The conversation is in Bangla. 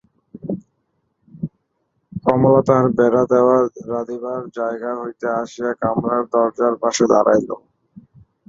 কমলা তাহার বেড়া-দেওয়া রাঁধিবার জায়গা হইতে আসিয়া কামরার দরজার পাশে দাঁড়াইল।